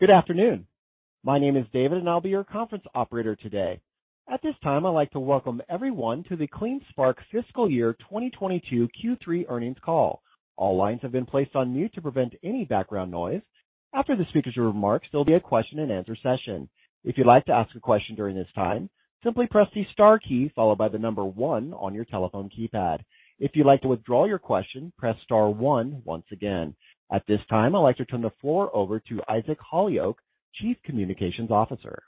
Good afternoon. My name is David, and I'll be your conference operator today. At this time, I'd like to welcome everyone to the CleanSpark Fiscal Year 2022 Q3 earnings call. All lines have been placed on mute to prevent any background noise. After the speakers' remarks, there'll be a question-and-answer session. If you'd like to ask a question during this time, simply press the star key followed by the number one on your telephone keypad. If you'd like to withdraw your question, press star one once again. At this time, I'd like to turn the floor over to Isaac Holyoak, Chief Communications Officer.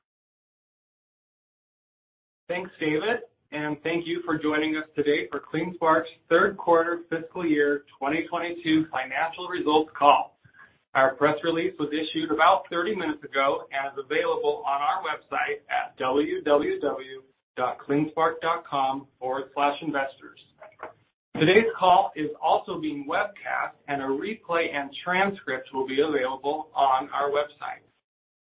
Thanks, David, and thank you for joining us today for CleanSpark's third quarter fiscal year 2022 financial results call. Our press release was issued about 30 minutes ago and is available on our website at www.cleanspark.com/investors. Today's call is also being webcast, and a replay and transcript will be available on our website.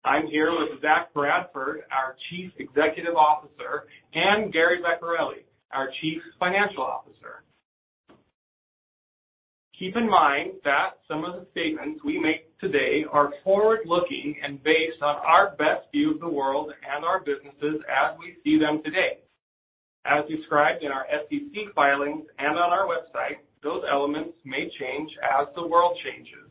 I'm here with Zach Bradford, our Chief Executive Officer, and Gary Vecchiarelli, our Chief Financial Officer. Keep in mind that some of the statements we make today are forward-looking and based on our best view of the world and our businesses as we see them today. As described in our SEC filings and on our website, those elements may change as the world changes.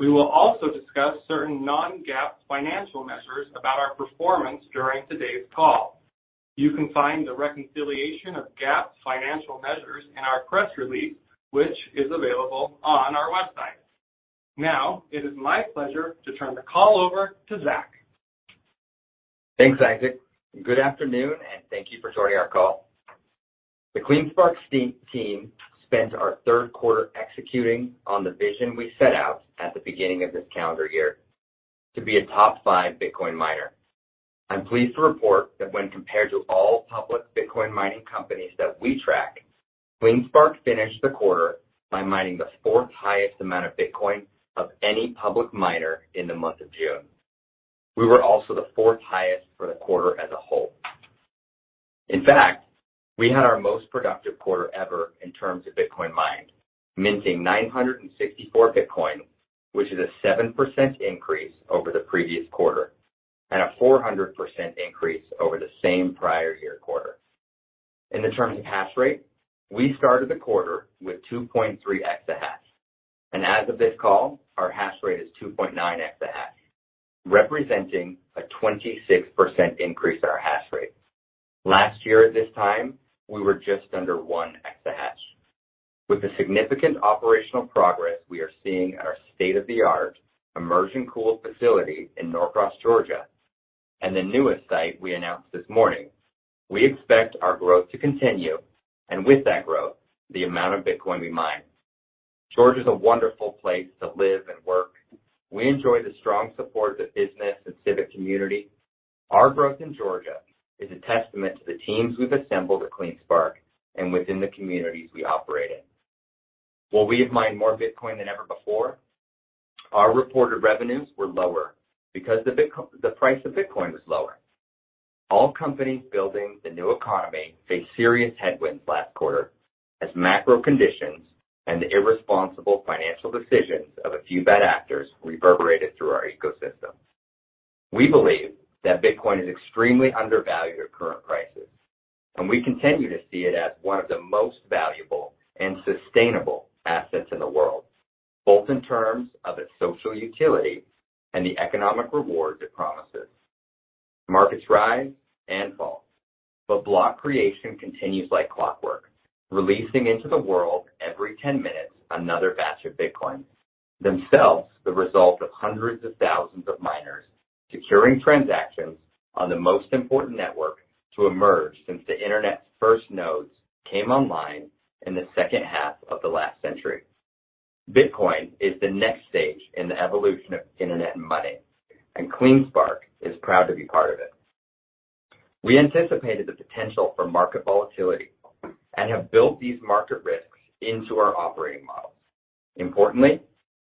We will also discuss certain non-GAAP financial measures about our performance during today's call. You can find the reconciliation of GAAP financial measures in our press release, which is available on our website. Now, it is my pleasure to turn the call over to Zach. Thanks, Isaac. Good afternoon, and thank you for joining our call. The CleanSpark team spent our third quarter executing on the vision we set out at the beginning of this calendar year, to be a top five Bitcoin miner. I'm pleased to report that when compared to all public Bitcoin mining companies that we track, CleanSpark finished the quarter by mining the fourth highest amount of Bitcoin of any public miner in the month of June. We were also the fourth highest for the quarter as a whole. In fact, we had our most productive quarter ever in terms of Bitcoin mined, minting 964 Bitcoin, which is a 7% increase over the previous quarter and a 400% increase over the same prior year quarter. In terms of hash rate, we started the quarter with 2.3 exahash. As of this call, our hash rate is 2.9 exahash, representing a 26% increase in our hash rate. Last year at this time, we were just under 1 exahash. With the significant operational progress we are seeing at our state-of-the-art immersion cooled facility in Norcross, Georgia, and the newest site we announced this morning, we expect our growth to continue, and with that growth, the amount of Bitcoin we mine. Georgia is a wonderful place to live and work. We enjoy the strong support of the business and civic community. Our growth in Georgia is a testament to the teams we've assembled at CleanSpark and within the communities we operate in. While we have mined more Bitcoin than ever before, our reported revenues were lower because the price of Bitcoin was lower. All companies building the new economy faced serious headwinds last quarter as macro conditions and the irresponsible financial decisions of a few bad actors reverberated through our ecosystem. We believe that Bitcoin is extremely undervalued at current prices, and we continue to see it as one of the most valuable and sustainable assets in the world, both in terms of its social utility and the economic reward it promises. Markets rise and fall, but block creation continues like clockwork, releasing into the world every ten minutes another batch of Bitcoin, themselves the result of hundreds of thousands of miners securing transactions on the most important network to emerge since the Internet's first nodes came online in the second half of the last century. Bitcoin is the next stage in the evolution of internet and money, and CleanSpark is proud to be part of it. We anticipated the potential for market volatility and have built these market risks into our operating models. Importantly,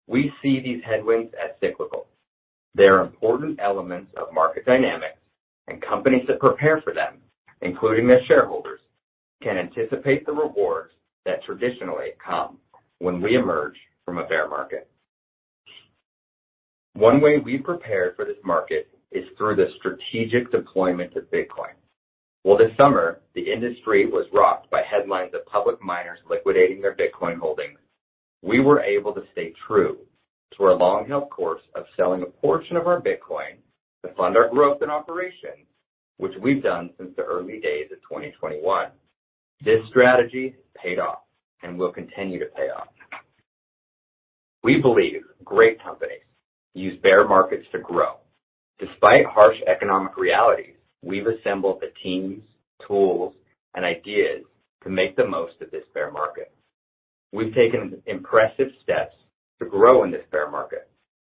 we see these headwinds as cyclical. They are important elements of market dynamics, and companies that prepare for them, including their shareholders, can anticipate the rewards that traditionally come when we emerge from a bear market. One way we prepared for this market is through the strategic deployment of Bitcoin. While this summer, the industry was rocked by headlines of public miners liquidating their Bitcoin holdings, we were able to stay true to our long held course of selling a portion of our Bitcoin to fund our growth and operations, which we've done since the early days of 2021. This strategy paid off and will continue to pay off. We believe great companies use bear markets to grow. Despite harsh economic realities, we've assembled the teams, tools, and ideas to make the most of this bear market. We've taken impressive steps to grow in this bear market,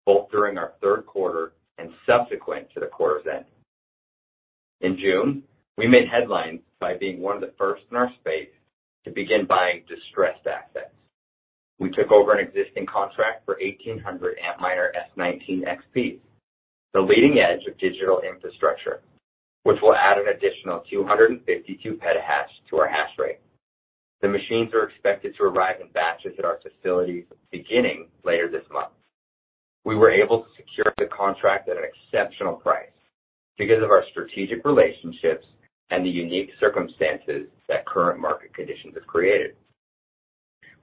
both during our third quarter and subsequent to the quarter's end. In June, we made headlines by being one of the first in our space to begin buying distressed assets. We took over an existing contract for 1,800 Antminer S19 XPs, the leading edge of digital infrastructure, which will add an additional 252 petahash to our hash rate. The machines are expected to arrive in batches at our facilities beginning later this month. We were able to secure the contract at an exceptional price because of our strategic relationships and the unique circumstances that current market conditions have created.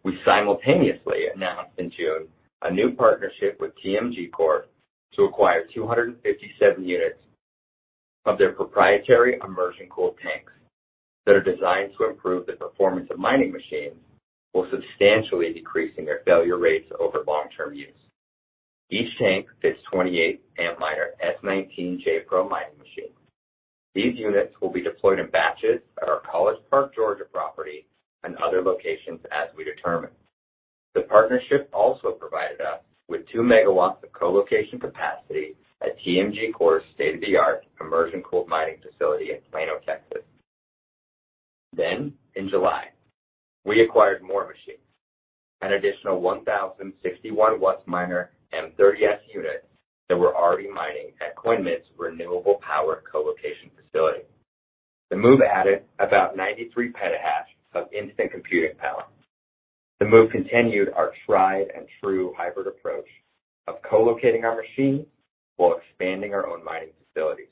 We simultaneously announced in June a new partnership with TMGcore to acquire 257 units of their proprietary immersion cold tanks that are designed to improve the performance of mining machines while substantially decreasing their failure rates over long-term use. Each tank fits 28 Antminer S19J Pro mining machines. These units will be deployed in batches at our College Park, Georgia property and other locations as we determine. The partnership also provided us with 2 MW of co-location capacity at TMGcore's state-of-the-art immersion cold mining facility in Plano, Texas. In July, we acquired more machines, an additional 1,061 WhatsMiner M30S units that were already mining at Coinmint's renewable power co-location facility. The move added about 93 petahash of instant computing power. The move continued our tried and true hybrid approach of co-locating our machines while expanding our own mining facilities,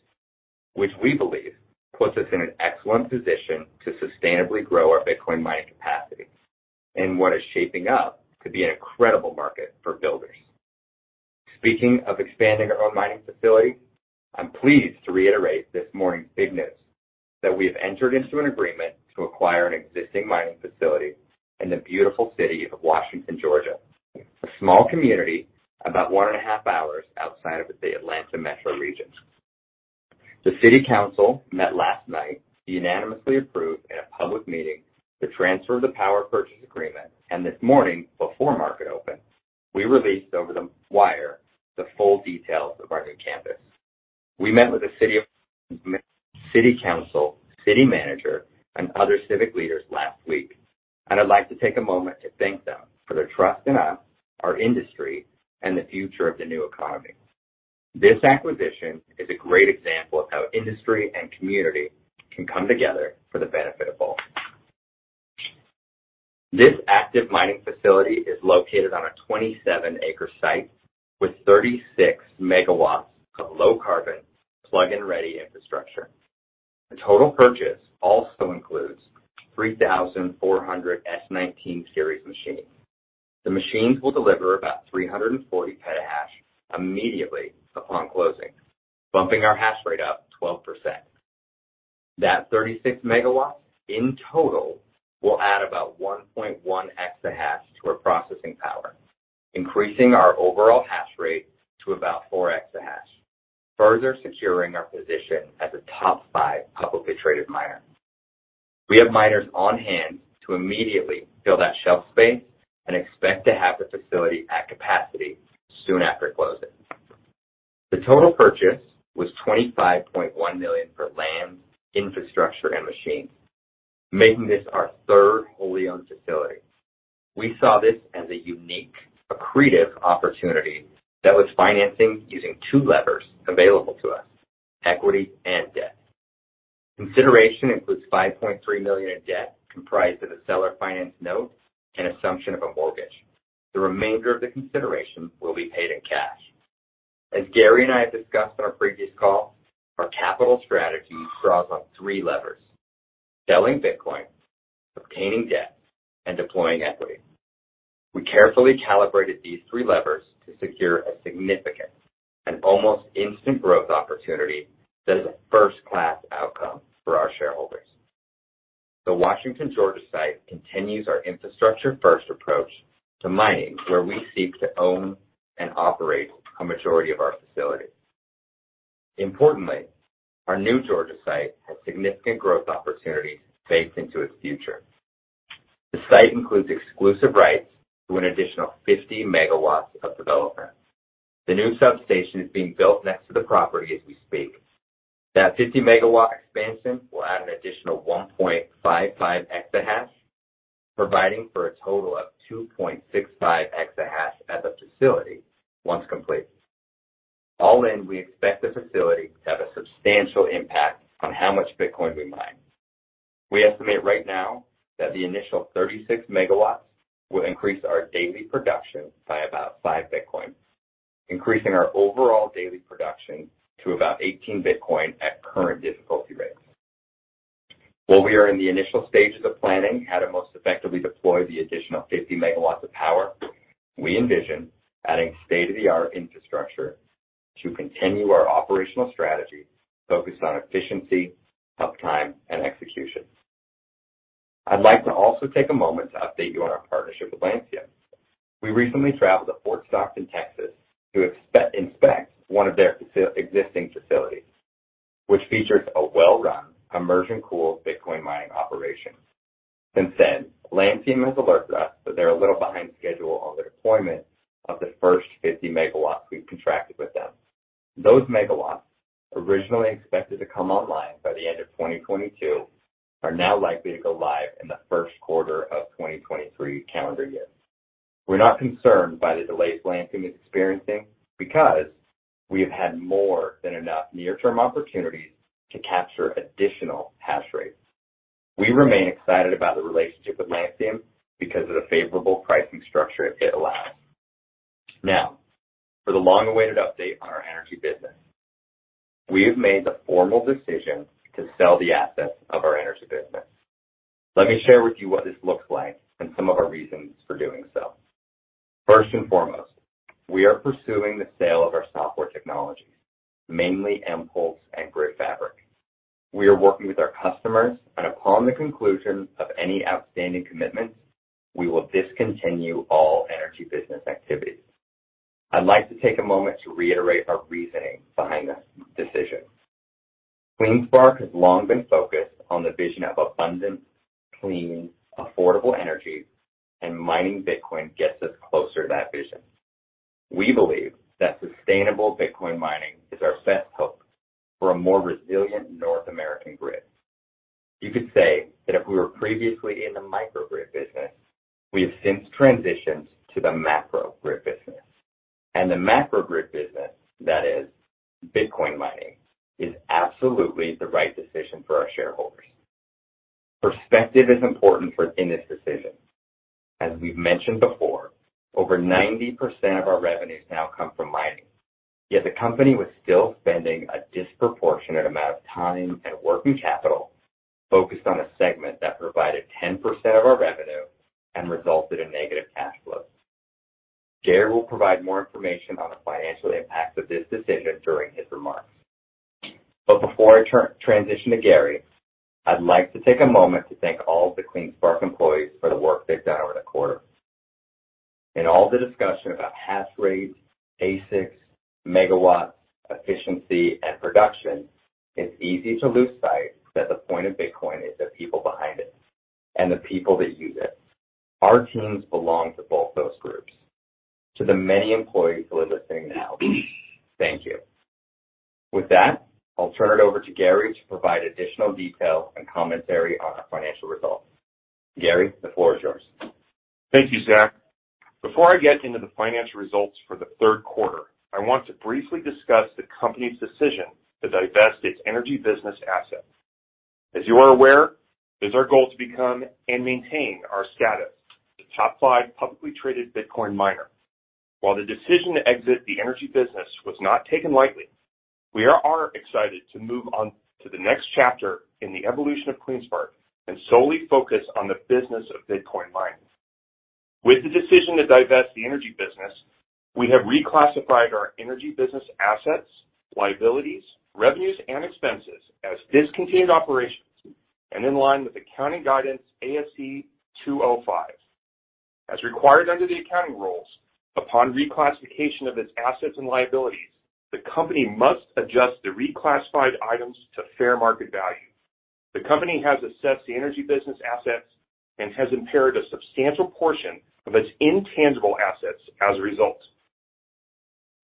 which we believe puts us in an excellent position to sustainably grow our Bitcoin mining capacity in what is shaping up to be an incredible market for builders. Speaking of expanding our own mining facility, I'm pleased to reiterate this morning's big news that we have entered into an agreement to acquire an existing mining facility in the beautiful city of Washington, Georgia, a small community about one and a half hours outside of the Atlanta metro region. The city council met last night to unanimously approve in a public meeting the transfer of the power purchase agreement. This morning, before market open, we released over the wire the full details of our new campus. We met with the city council, city manager, and other civic leaders last week, and I'd like to take a moment to thank them for their trust in us, our industry, and the future of the new economy. This acquisition is a great example of how industry and community can come together for the benefit of both. This active mining facility is located on a 27-acre site with 36 MW of low carbon plug-in ready infrastructure. The total purchase also includes 3,400 S19 series machines. The machines will deliver about 340 petahash immediately upon closing, bumping our hash rate up 12%. That 36 MW in total will add about 1.1 exahash to our processing power, increasing our overall hash rate to about 4 exahash, further securing our position as a top five publicly traded miner. We have miners on-hand to immediately fill that shelf space and expect to have the facility at capacity soon after closing. The total purchase was $25.1 million for land, infrastructure, and machines, making this our third wholly-owned facility. We saw this as a unique accretive opportunity that was financed using two levers available to us, equity and debt. Consideration includes $5.3 million in debt comprised of a seller finance note and assumption of a mortgage. The remainder of the consideration will be paid in cash. As Gary and I have discussed on our previous call, our capital strategy draws on three levers, selling Bitcoin, obtaining debt, and deploying equity. We carefully calibrated these three levers to secure a significant and almost instant growth opportunity that is a first-class outcome for our shareholders. The Washington, Georgia site continues our infrastructure-first approach to mining, where we seek to own and operate a majority of our facilities. Importantly, our new Georgia site has significant growth opportunities baked into its future. The site includes exclusive rights to an additional 50 MW of development. The new substation is being built next to the property as we speak. That 50 megawatt expansion will add an additional 1.55 exahash, providing for a total of 2.65 exahash at the facility once complete. All in, we expect the facility to have a substantial impact on how much Bitcoin we mine. We estimate right now that the initial 36 MW will increase our daily production by about 5 Bitcoin, increasing our overall daily production to about 18 Bitcoin at current difficulty rates. While we are in the initial stages of planning how to most effectively deploy the additional 50 MW of power, we envision adding state-of-the-art infrastructure to continue our operational strategy focused on efficiency, uptime, and execution. I'd like to also take a moment to update you on our partnership with Lancium. We recently traveled to Fort Stockton, Texas, to inspect one of their existing facilities, which features a well-run immersion cooled Bitcoin mining operation. Since then, Lancium has alerted us that they're a little behind schedule on the deployment of the first 50 MW we've contracted with them. Those megawatts, originally expected to come online by the end of 2022, are now likely to go live in the first quarter of 2023 calendar year. We're not concerned by the delays Lancium is experiencing because we have had more than enough near-term opportunities to capture additional hash rates. We remain excited about the relationship with Lancium because of the favorable pricing structure it allows. Now, for the long-awaited update on our energy business. We have made the formal decision to sell the assets of our energy business. Let me share with you what this looks like and some of our reasons for doing so. First and foremost, we are pursuing the sale of our software technology, mainly mPulse and GridFabric. We are working with our customers, and upon the conclusion of any outstanding commitments, we will discontinue all energy business activities. I'd like to take a moment to reiterate our reasoning behind this decision. CleanSpark has long been focused on the vision of abundant, clean, affordable energy, and mining Bitcoin gets us closer to that vision. We believe that sustainable Bitcoin mining is our best hope for a more resilient North American grid. You could say that if we were previously in the microgrid business, we have since transitioned to the macrogrid business. The macrogrid business, that is Bitcoin mining, is absolutely the right decision for our shareholders. Perspective is important in this decision. As we've mentioned before, over 90% of our revenues now come from mining. Yet the company was still spending a disproportionate amount of time and working capital focused on a segment that provided 10% of our revenue and resulted in negative cash flows. Gary will provide more information on the financial impact of this decision during his remarks. Before I transition to Gary, I'd like to take a moment to thank all the CleanSpark employees for the work they've done over the quarter. In all the discussion about hash rates, ASICs, megawatts, efficiency, and production, it's easy to lose sight that the point of Bitcoin is the people behind it and the people that use it. Our teams belong to both those groups. To the many employees who are listening now, thank you. With that, I'll turn it over to Gary to provide additional detail and commentary on our financial results. Gary, the floor is yours. Thank you, Zach. Before I get into the financial results for the third quarter, I want to briefly discuss the company's decision to divest its energy business assets. As you are aware, it is our goal to become and maintain our status as a top five publicly traded Bitcoin miner. While the decision to exit the energy business was not taken lightly, we are excited to move on to the next chapter in the evolution of CleanSpark and solely focus on the business of Bitcoin mining. With the decision to divest the energy business, we have reclassified our energy business assets, liabilities, revenues, and expenses as discontinued operations and in line with accounting guidance ASC 205. As required under the accounting rules, upon reclassification of its assets and liabilities, the company must adjust the reclassified items to fair market value. The company has assessed the energy business assets and has impaired a substantial portion of its intangible assets as a result.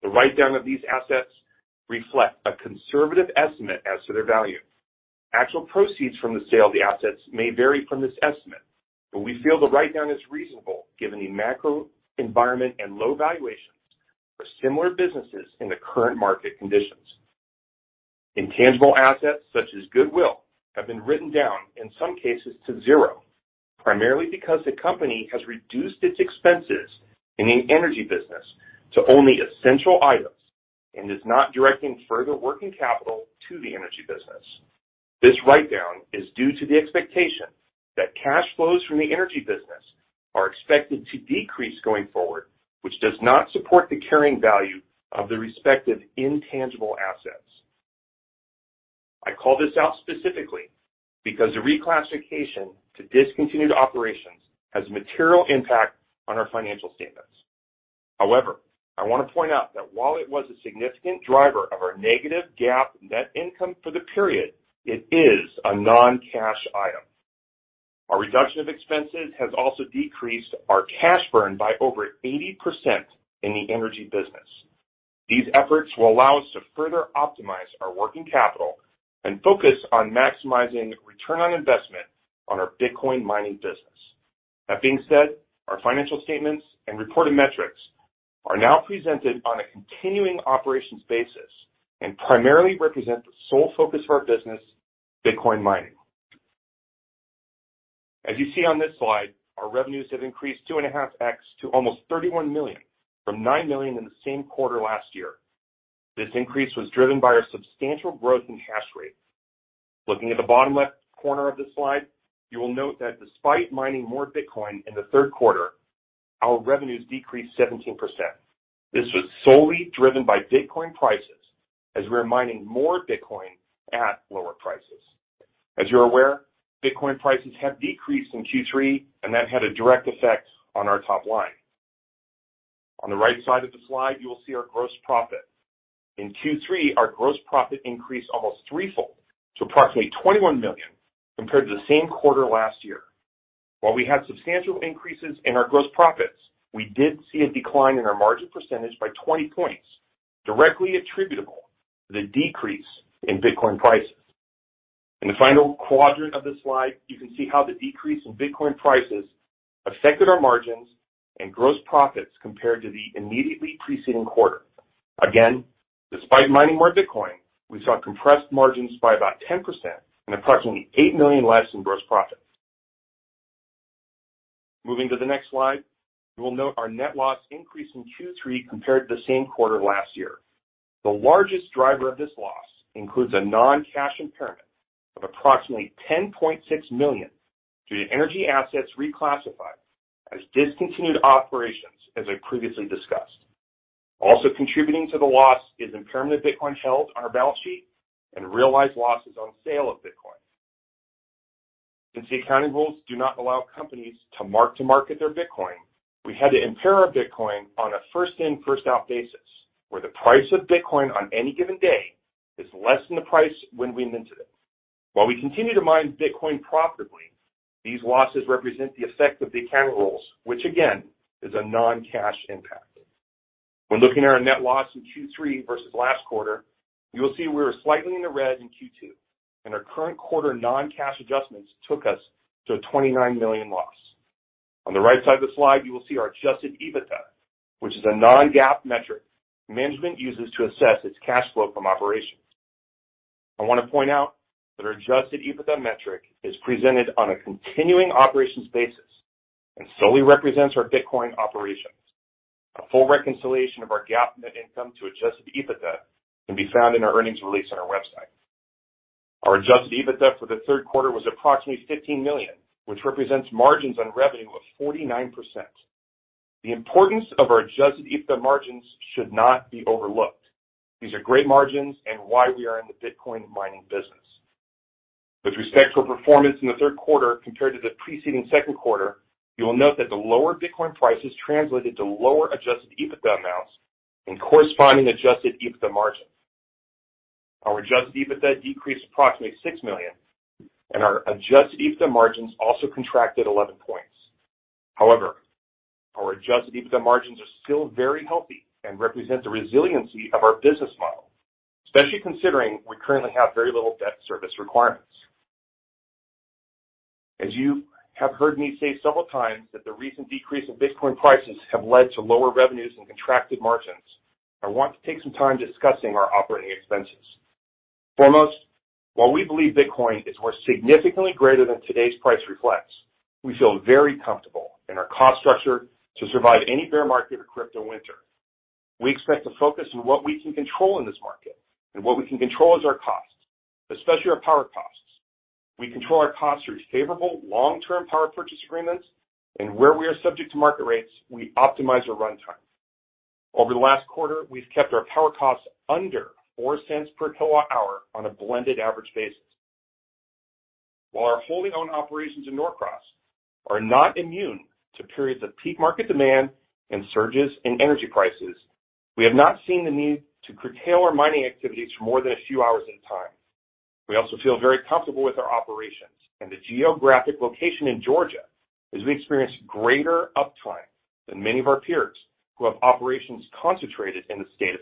The write-down of these assets reflect a conservative estimate as to their value. Actual proceeds from the sale of the assets may vary from this estimate, but we feel the write-down is reasonable given the macro environment and low valuations for similar businesses in the current market conditions. Intangible assets such as goodwill have been written down in some cases to zero, primarily because the company has reduced its expenses in the energy business to only essential items and is not directing further working capital to the energy business. This write-down is due to the expectation that cash flows from the energy business are expected to decrease going forward, which does not support the carrying value of the respective intangible assets. I call this out specifically because the reclassification to discontinued operations has a material impact on our financial statements. However, I want to point out that while it was a significant driver of our negative GAAP net income for the period, it is a non-cash item. Our reduction of expenses has also decreased our cash burn by over 80% in the energy business. These efforts will allow us to further optimize our working capital and focus on maximizing return on investment on our Bitcoin mining business. That being said, our financial statements and reported metrics are now presented on a continuing operations basis and primarily represent the sole focus of our business, Bitcoin mining. As you see on this slide, our revenues have increased 2.5x to almost $31 million from $9 million in the same quarter last year. This increase was driven by our substantial growth in hash rate. Looking at the bottom left corner of the slide, you will note that despite mining more Bitcoin in the third quarter, our revenues decreased 17%. This was solely driven by Bitcoin prices as we are mining more Bitcoin at lower prices. As you're aware, Bitcoin prices have decreased in Q3, and that had a direct effect on our top line. On the right side of the slide, you will see our gross profit. In Q3, our gross profit increased almost threefold to approximately $21 million compared to the same quarter last year. While we had substantial increases in our gross profits, we did see a decline in our margin percentage by 20 points, directly attributable to the decrease in Bitcoin prices. In the final quadrant of the slide, you can see how the decrease in Bitcoin prices affected our margins and gross profits compared to the immediately preceding quarter. Again, despite mining more Bitcoin, we saw compressed margins by about 10% and approximately $8 million less in gross profit. Moving to the next slide, you will note our net loss increase in Q3 compared to the same quarter last year. The largest driver of this loss includes a non-cash impairment of approximately $10.6 million due to energy assets reclassified as discontinued operations, as I previously discussed. Also contributing to the loss is impairment of Bitcoin held on our balance sheet and realized losses on sale of Bitcoin. Since the accounting rules do not allow companies to mark-to-market their Bitcoin, we had to impair our Bitcoin on a first-in, first-out basis, where the price of Bitcoin on any given day is less than the price when we minted it. While we continue to mine Bitcoin profitably, these losses represent the effect of the accounting rules, which again, is a non-cash impact. When looking at our net loss in Q3 versus last quarter, you will see we were slightly in the red in Q2, and our current quarter non-cash adjustments took us to a $29 million loss. On the right side of the slide, you will see our adjusted EBITDA, which is a non-GAAP metric management uses to assess its cash flow from operations. I want to point out that our adjusted EBITDA metric is presented on a continuing operations basis and solely represents our Bitcoin operations. A full reconciliation of our GAAP net income to adjusted EBITDA can be found in our earnings release on our website. Our adjusted EBITDA for the third quarter was approximately $15 million, which represents margins on revenue of 49%. The importance of our adjusted EBITDA margins should not be overlooked. These are great margins and why we are in the Bitcoin mining business. With respect to our performance in the third quarter compared to the preceding second quarter, you will note that the lower Bitcoin prices translated to lower adjusted EBITDA amounts and corresponding adjusted EBITDA margins. Our adjusted EBITDA decreased approximately $6 million, and our adjusted EBITDA margins also contracted 11 points. However, our adjusted EBITDA margins are still very healthy and represent the resiliency of our business model, especially considering we currently have very little debt service requirements. As you have heard me say several times that the recent decrease in Bitcoin prices have led to lower revenues and contracted margins, I want to take some time discussing our operating expenses. Foremost, while we believe Bitcoin is worth significantly greater than today's price reflects, we feel very comfortable in our cost structure to survive any bear market or crypto winter. We expect to focus on what we can control in this market, and what we can control is our costs, especially our power costs. We control our costs through favorable long-term power purchase agreements, and where we are subject to market rates, we optimize our runtime. Over the last quarter, we've kept our power costs under $0.04 per kWh on a blended average basis. While our wholly-owned operations in Norcross are not immune to periods of peak market demand and surges in energy prices, we have not seen the need to curtail our mining activities for more than a few hours in time. We also feel very comfortable with our operations and the geographic location in Georgia as we experience greater uptime than many of our peers who have operations concentrated in the state of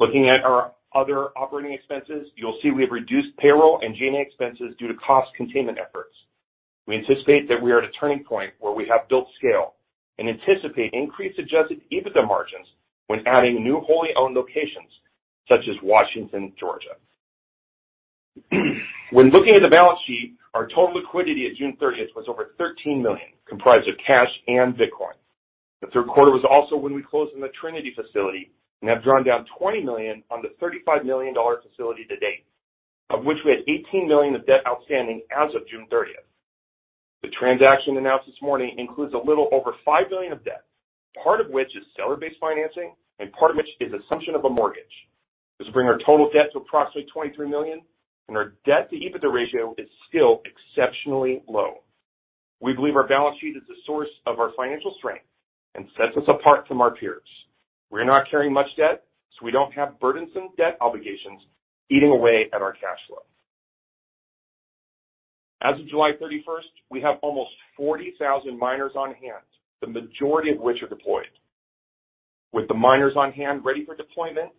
Texas. Looking at our other operating expenses, you'll see we have reduced payroll and G&A expenses due to cost containment efforts. We anticipate that we are at a turning point where we have built scale and anticipate increased adjusted EBITDA margins when adding new wholly-owned locations such as Washington, Georgia. When looking at the balance sheet, our total liquidity at June thirtieth was over $13 million, comprised of cash and Bitcoin. The third quarter was also when we closed on the Trinity Capital facility and have drawn down $20 million on the $35 million facility to date, of which we had $18 million of debt outstanding as of June 30. The transaction announced this morning includes a little over $5 million of debt, part of which is seller-based financing and part of which is assumption of a mortgage. This will bring our total debt to approximately $23 million, and our debt-to-EBITDA ratio is still exceptionally low. We believe our balance sheet is the source of our financial strength and sets us apart from our peers. We're not carrying much debt, so we don't have burdensome debt obligations eating away at our cash flow. As of July 31, we have almost 40,000 miners on hand, the majority of which are deployed. With the miners on-hand ready for deployment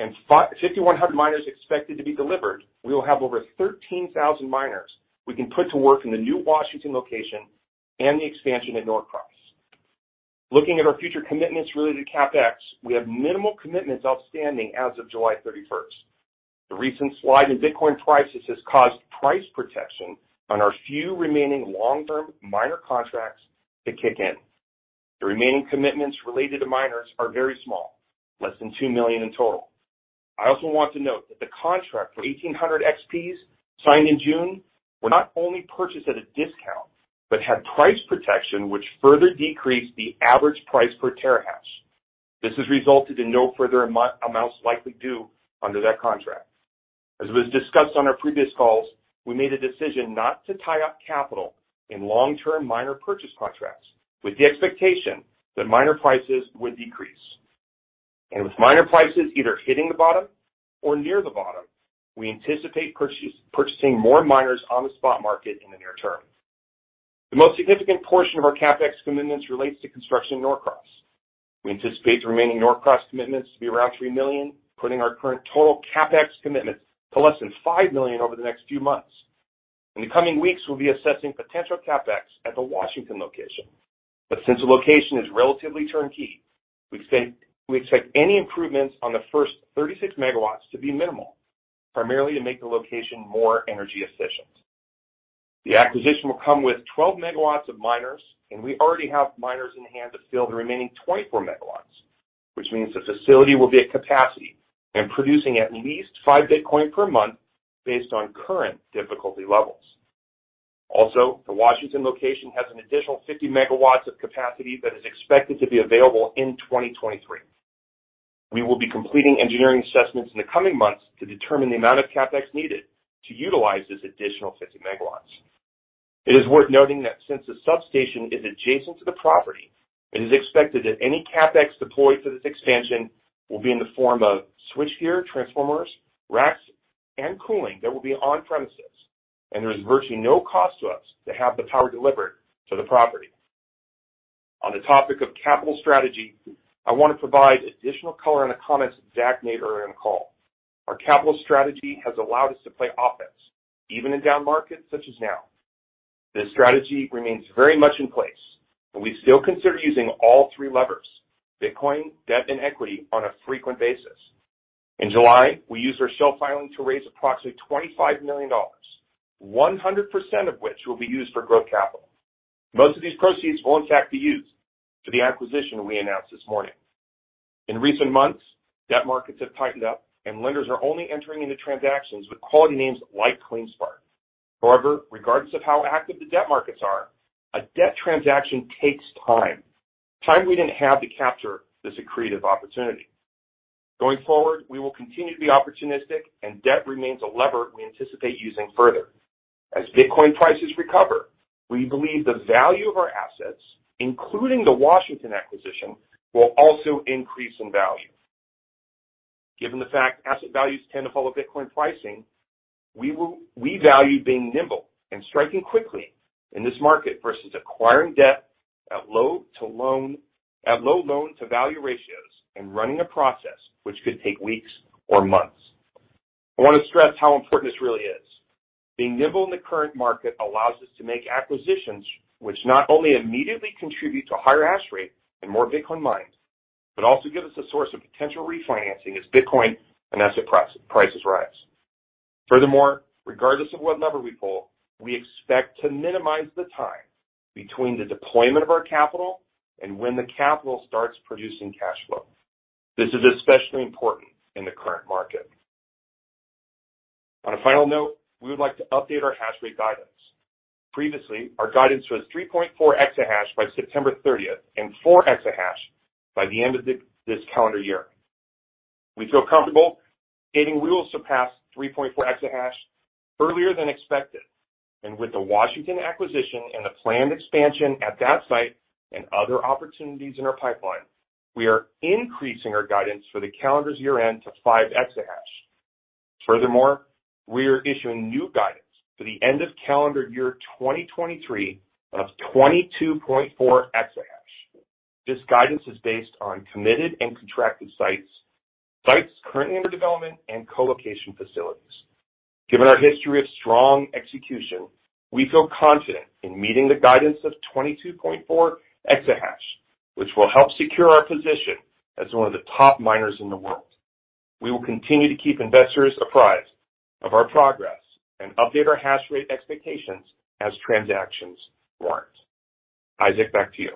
and 5,100 miners expected to be delivered, we will have over 13,000 miners we can put to work in the new Washington location and the expansion at Norcross. Looking at our future commitments related to CapEx, we have minimal commitments outstanding as of July 31. The recent slide in Bitcoin prices has caused price protection on our few remaining long-term miner contracts to kick in. The remaining commitments related to miners are very small, less than $2 million in total. I also want to note that the contract for 1,800 XPs signed in June were not only purchased at a discount, but had price protection which further decreased the average price per terahash. This has resulted in no further amounts likely due under that contract. As was discussed on our previous calls, we made a decision not to tie up capital in long-term miner purchase contracts with the expectation that miner prices would decrease. With miner prices either hitting the bottom or near the bottom, we anticipate purchasing more miners on the spot market in the near term. The most significant portion of our CapEx commitments relates to construction in Norcross. We anticipate the remaining Norcross commitments to be around $3 million, putting our current total CapEx commitments to less than $5 million over the next few months. In the coming weeks, we'll be assessing potential CapEx at the Washington location. Since the location is relatively turnkey, we expect any improvements on the first 36 MW to be minimal, primarily to make the location more energy efficient. The acquisition will come with 12 MW of miners, and we already have miners in-hand to fill the remaining 24 MW, which means the facility will be at capacity and producing at least 5 Bitcoin per month based on current difficulty levels. Also, the Washington location has an additional 50 MW of capacity that is expected to be available in 2023. We will be completing engineering assessments in the coming months to determine the amount of CapEx needed to utilize this additional 50 MW. It is worth noting that since the substation is adjacent to the property, it is expected that any CapEx deployed for this expansion will be in the form of switchgear, transformers, racks, and cooling that will be on premises, and there is virtually no cost to us to have the power delivered to the property. On the topic of capital strategy, I want to provide additional color on the comments Zach made earlier in the call. Our capital strategy has allowed us to play offense, even in down markets such as now. This strategy remains very much in place, and we still consider using all three levers, Bitcoin, debt, and equity, on a frequent basis. In July, we used our shelf filing to raise approximately $25 million, 100% of which will be used for growth capital. Most of these proceeds will in fact be used for the acquisition we announced this morning. In recent months, debt markets have tightened up, and lenders are only entering into transactions with quality names like CleanSpark. However, regardless of how active the debt markets are, a debt transaction takes time. Time we didn't have to capture this accretive opportunity. Going forward, we will continue to be opportunistic, and debt remains a lever we anticipate using further. As Bitcoin prices recover, we believe the value of our assets, including the Washington acquisition, will also increase in value. Given the fact asset values tend to follow Bitcoin pricing, we value being nimble and striking quickly in this market versus acquiring debt at low loan to value ratios and running a process which could take weeks or months. I want to stress how important this really is. Being nimble in the current market allows us to make acquisitions which not only immediately contribute to higher hash rate and more Bitcoin mined, but also give us a source of potential refinancing as Bitcoin and asset prices rise. Furthermore, regardless of what lever we pull, we expect to minimize the time between the deployment of our capital and when the capital starts producing cash flow. This is especially important in the current market. On a final note, we would like to update our hash rate guidance. Previously, our guidance was 3.4 exahash by September 30th and 4 exahash by the end of this calendar year. We feel comfortable stating we will surpass 3.4 exahash earlier than expected. With the Washington acquisition and the planned expansion at that site and other opportunities in our pipeline, we are increasing our guidance for the calendar year-end to 5 exahash. Furthermore, we are issuing new guidance for the end of calendar year 2023 of 22.4 exahash. This guidance is based on committed and contracted sites currently under development, and co-location facilities. Given our history of strong execution, we feel confident in meeting the guidance of 22.4 exahash, which will help secure our position as one of the top miners in the world. We will continue to keep investors apprised of our progress and update our hash rate expectations as transactions warrant. Isaac, back to you.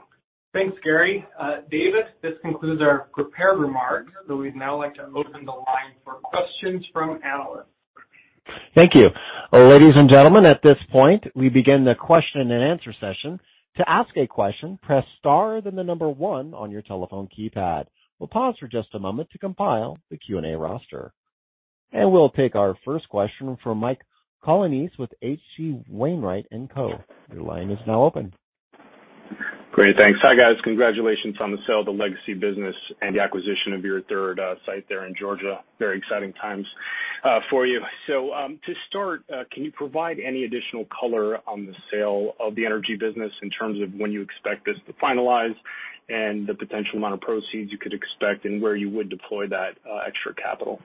Thanks, Gary. David, this concludes our prepared remarks, so we'd now like to open the line for questions from analysts. Thank you. Ladies and gentlemen, at this point, we begin the question-and-answer session. To ask a question, press star then the number one on your telephone keypad. We'll pause for just a moment to compile the Q&A roster. We'll take our first question from Mike Colonnese with H.C. Wainwright & Co. Your line is now open. Great. Thanks. Hi, guys. Congratulations on the sale of the legacy business and the acquisition of your third site there in Georgia. Very exciting times for you. To start, can you provide any additional color on the sale of the energy business in terms of when you expect this to finalize and the potential amount of proceeds you could expect and where you would deploy that extra capital?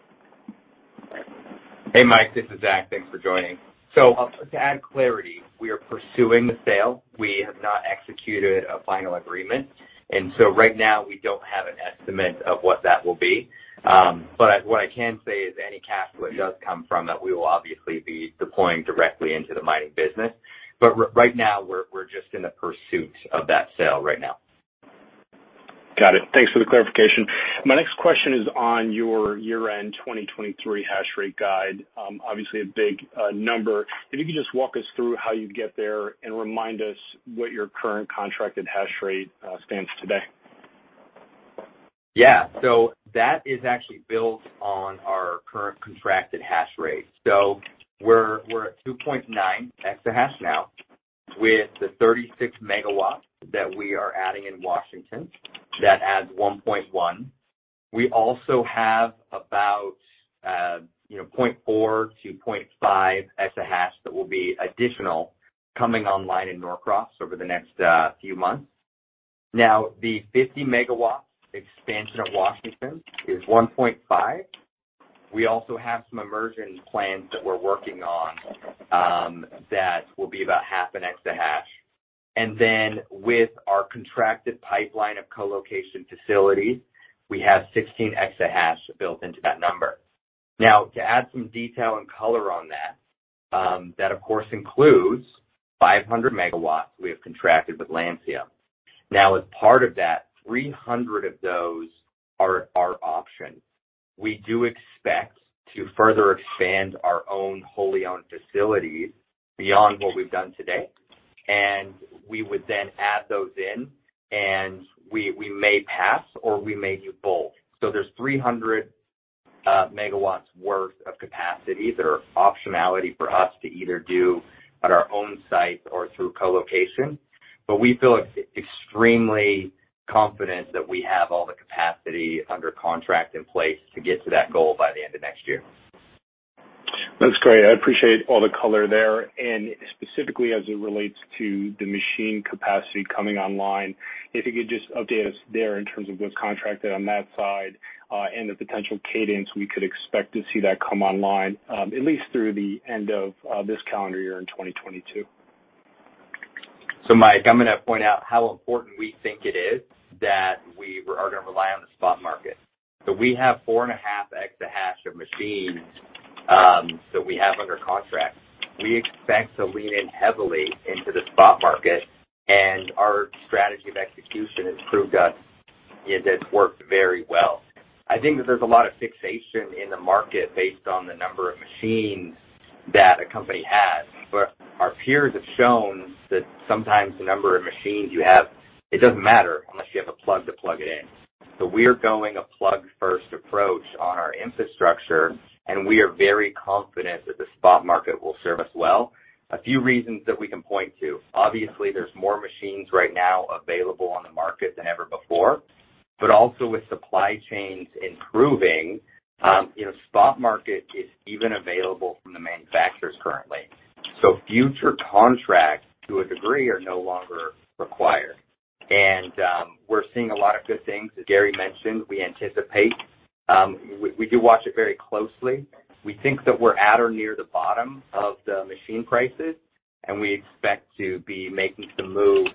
Hey, Mike, this is Zach. Thanks for joining. To add clarity, we are pursuing the sale. We have not executed a final agreement. Right now we don't have an estimate of what that will be. What I can say is any cash flow it does come from that we will obviously be deploying directly into the mining business. Right now we're just in the pursuit of that sale right now. Got it. Thanks for the clarification. My next question is on your year-end 2023 hash rate guide. Obviously a big number. If you could just walk us through how you get there and remind us what your current contracted hash rate stands today. Yeah. That is actually built on our current contracted hash rate. We're at 2.9 exahash now. With the 36 MW that we are adding in Washington, that adds 1.1. We also have about 0.4-0.5 exahash that will be additional coming online in Norcross over the next few months. Now, the 50 MW expansion at Washington is 1.5. We also have some immersion plans that we're working on, that will be about half an exahash. With our contracted pipeline of co-location facilities, we have 16 exahash built into that number. Now, to add some detail and color on that of course includes 500 MW we have contracted with Lancium. Now, as part of that, 300 of those are our option. We do expect to further expand our own wholly owned facilities beyond what we've done today, and we would then add those in, and we may pass or we may do both. There's 300 MW worth of capacity that are optionality for us to either do at our own site or through co-location. We feel extremely confident that we have all the capacity under contract in place to get to that goal by the end of next year. That's great. I appreciate all the color there, and specifically as it relates to the machine capacity coming online. If you could just update us there in terms of what's contracted on that side, and the potential cadence we could expect to see that come online, at least through the end of this calendar year in 2022. Mike, I'm gonna point out how important we think it is that we are gonna rely on the spot market. We have 4.5 exahash of machines that we have under contract. We expect to lean in heavily into the spot market, and our strategy of execution has proved to us it has worked very well. I think that there's a lot of fixation in the market based on the number of machines that a company has. Our peers have shown that sometimes the number of machines you have, it doesn't matter unless you have a plug to plug it in. We are going a plug-first approach on our infrastructure, and we are very confident that the spot market will serve us well. A few reasons that we can point to. Obviously, there's more machines right now available on the market than ever before, but also with supply chains improving, you know, spot market is even available from the manufacturers currently. Future contracts to a degree are no longer required. We're seeing a lot of good things. As Gary mentioned, we anticipate, we do watch it very closely. We think that we're at or near the bottom of the machine prices, and we expect to be making some moves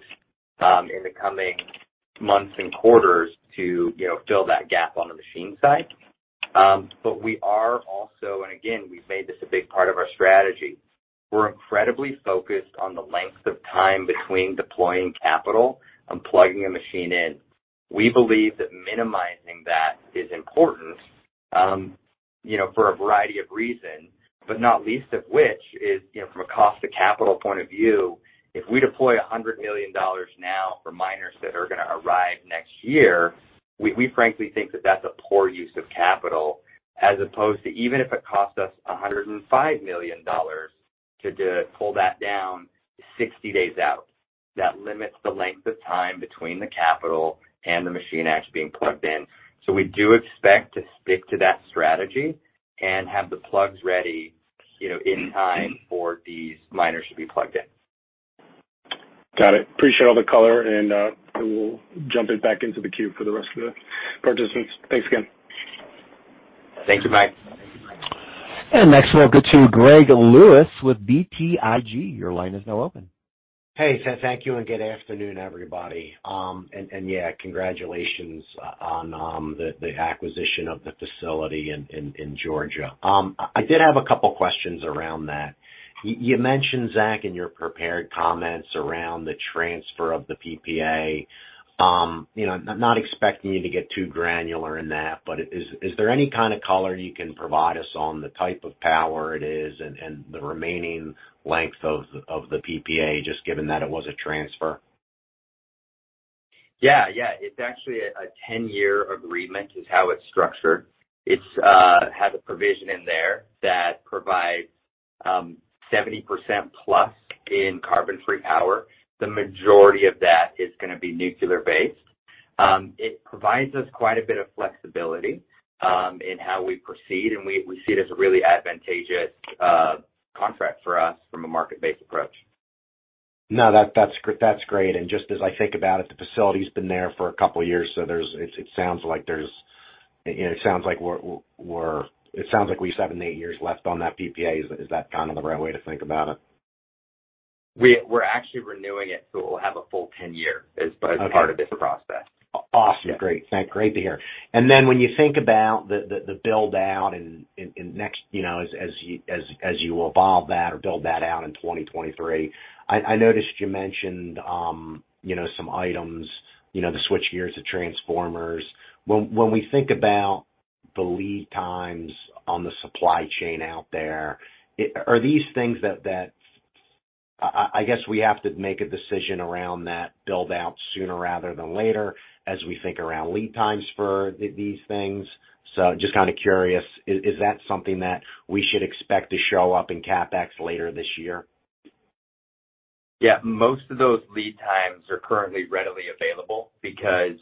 in the coming months and quarters to, you know, fill that gap on the machine side. We are also and again, we've made this a big part of our strategy. We're incredibly focused on the length of time between deploying capital and plugging a machine in. We believe that minimizing that is important, you know, for a variety of reasons, but not least of which is, you know, from a cost of capital point of view, if we deploy $100 million now for miners that are gonna arrive next year, we frankly think that that's a poor use of capital as opposed to even if it costs us $105 million to pull that down 60 days out. That limits the length of time between the capital and the machine actually being plugged in. We do expect to stick to that strategy and have the plugs ready, you know, in time for these miners to be plugged in. Got it. Appreciate all the color, and, I will jump it back into the queue for the rest of the participants. Thanks again. Thank you, Mike. Next, we'll get to Greg Lewis with BTIG. Your line is now open. Hey, thank you and good afternoon, everybody. Yeah, congratulations on the acquisition of the facility in Georgia. I did have a couple questions around that. You mentioned, Zach, in your prepared comments around the transfer of the PPA. You know, I'm not expecting you to get too granular in that, but is there any kind of color you can provide us on the type of power it is and the remaining length of the PPA, just given that it was a transfer? Yeah, yeah. It's actually a 10-year agreement is how it's structured. It has a provision in there that provides 70%+ in carbon-free power. The majority of that is gonna be nuclear-based. It provides us quite a bit of flexibility in how we proceed, and we see it as a really advantageous contract for us from a market-based approach. No, that's great. Just as I think about it, the facility's been there for a couple of years, so, you know, it sounds like we have 7-8 years left on that PPA. Is that kind of the right way to think about it? We're actually renewing it, so we'll have a full 10-year as part of this process. Okay. Awesome. Great. Great to hear. When you think about the build-out and next, you know, as you evolve that or build that out in 2023, I noticed you mentioned, you know, some items, you know, the switch gears, the transformers. When we think about the lead times on the supply chain out there, are these things that I guess we have to make a decision around that build-out sooner rather than later as we think around lead times for these things. Just kinda curious, is that something that we should expect to show up in CapEx later this year? Yeah, most of those lead times are currently readily available because,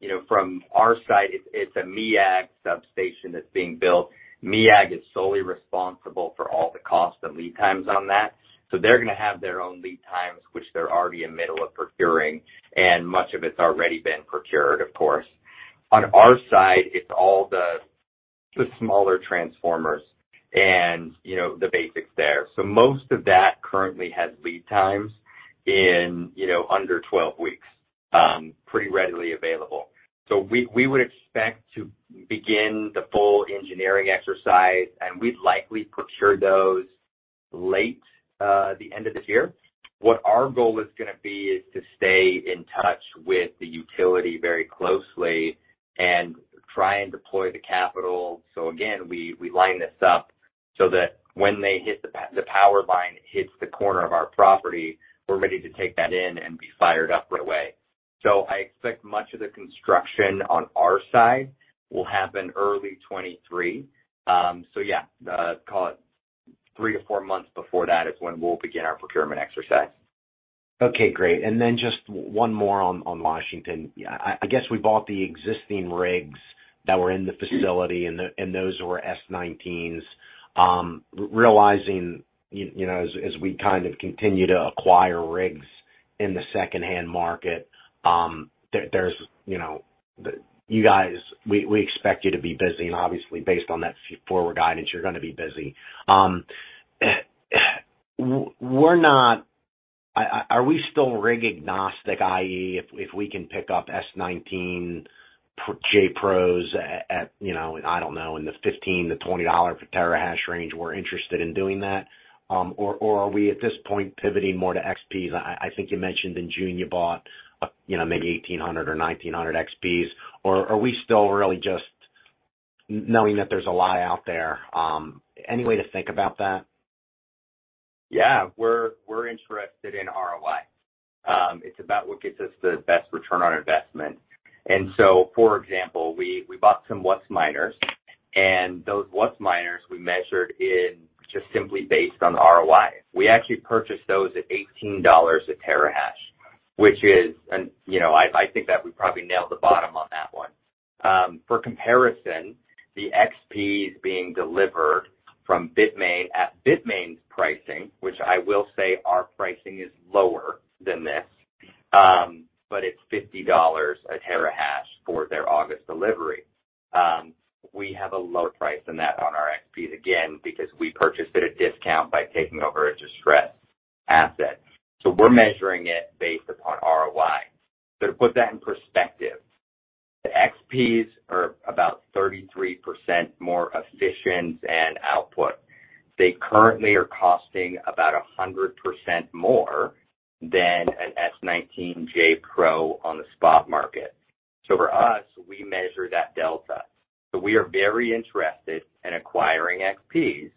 you know, from our side, it's a MEAG substation that's being built. MEAG is solely responsible for all the costs and lead times on that. They're gonna have their own lead times, which they're already in the middle of procuring, and much of it's already been procured, of course. On our side, it's all the smaller transformers and, you know, the basics there. Most of that currently has lead times in, you know, under 12 weeks, pretty readily available. We would expect to begin the full engineering exercise, and we'd likely procure those late in the end of this year. What our goal is gonna be is to stay in touch with the utility very closely and try and deploy the capital. We line this up so that the power line hits the corner of our property, we're ready to take that in and be fired up right away. I expect much of the construction on our side will happen early 2023. Call it 3-4 months before that is when we'll begin our procurement exercise. Okay, great. Then just one more on Washington. I guess we bought the existing rigs that were in the facility, and those were S19s. Realizing, you know, as we kind of continue to acquire rigs in the secondhand market, there's, you know. You guys, we expect you to be busy, and obviously, based on that forward guidance, you're gonna be busy. Are we still rig agnostic, i.e., if we can pick up S19j Pros at, you know, I don't know, in the $15-$20 per terahash range, we're interested in doing that? Or are we at this point pivoting more to S19 XPs? I think you mentioned in June you bought, you know, maybe 1,800 or 1,900 S19 XPs. Are we still really just knowing that there's a lot out there? Any way to think about that? Yeah. We're interested in ROI. It's about what gets us the best return on investment. For example, we bought some WhatsMiners, and those WhatsMiners we measured just simply based on ROI. We actually purchased those at $18 a terahash, and, you know, I think that we probably nailed the bottom on that one. For comparison, the S19 XPs being delivered from Bitmain at Bitmain's pricing, which I will say our pricing is lower than this, but it's $50 a terahash for their August delivery. We have a lower price than that on our S19 XPs, again, because we purchased it at discount by taking over a distressed asset. We're measuring it based upon ROI. To put that in perspective, the S19 XPs are about 33% more efficient in output. They currently are costing about 100% more than an S19j Pro on the spot market. For us, we measure that delta. We are very interested in acquiring S19 XPs,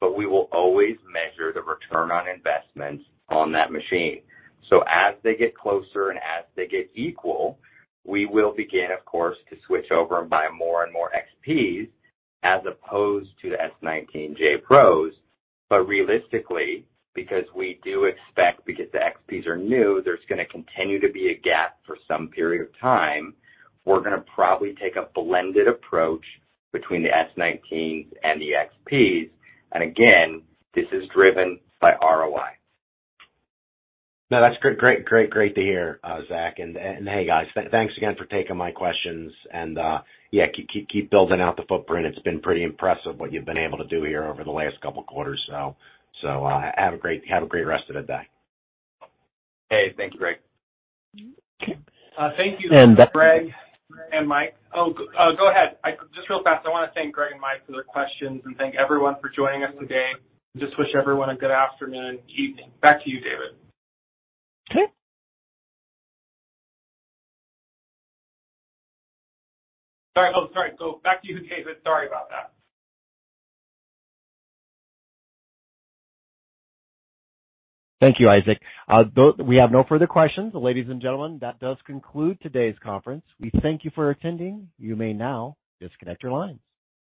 but we will always measure the return on investments on that machine. As they get closer and as they get equal, we will begin, of course, to switch over and buy more and more S19 XPs as opposed to the S19j Pros. Realistically, because we do expect, because the S19 XPs are new, there's gonna continue to be a gap for some period of time, we're gonna probably take a blended approach between the S19s and the S19 XPs. Again, this is driven by ROI. No, that's great to hear, Zach. Hey, guys, thanks again for taking my questions. Yeah, keep building out the footprint. It's been pretty impressive what you've been able to do here over the last couple quarters. Have a great rest of the day. Hey, thank you, Greg. Thank you, Greg and Mike. Go ahead. Just real fast, I wanna thank Greg and Mike for their questions and thank everyone for joining us today. Just wish everyone a good afternoon, evening. Back to you, David. Okay. Sorry. Oh, sorry. Go back to you, David. Sorry about that. Thank you, Isaac. We have no further questions. Ladies and gentlemen, that does conclude today's conference. We thank you for attending. You may now disconnect your lines.